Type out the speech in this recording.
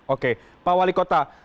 oke pak wali kota